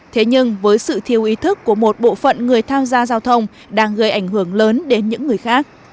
thế nhưng với sự thiêu ý thức của một bộ phận người tham gia giao thông đang gây ảnh hưởng lớn đến những người khác